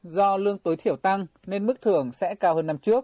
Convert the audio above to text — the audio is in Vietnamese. do lương tối thiểu tăng nên mức thưởng sẽ cao hơn năm trước